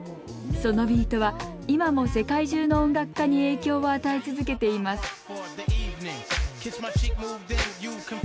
そのビートは今も世界中の音楽家に影響を与え続けています